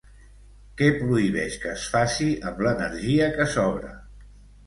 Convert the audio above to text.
Què prohibeix que es faci amb l'energia que sobra?